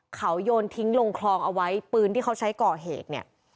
เขาโยนทิ้งลงคลองเอาไว้ปืนที่เขาใช้ก่อเหตุเนี่ย